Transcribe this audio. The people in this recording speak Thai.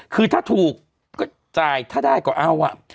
คือถ้าถูกก็จ่ายถ้าได้ก็เอา